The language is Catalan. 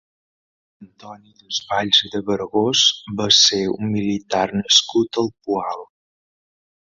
Antoni Desvalls i de Vergós va ser un militar nascut al Poal.